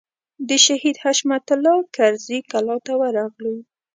د شهید حشمت الله کرزي کلا ته ورغلو.